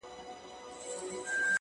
مهرباني د انسانیت ښکلی عطر دی!